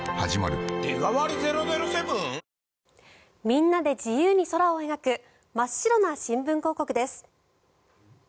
みんなで自由に空を描く真っ白な新聞広告です。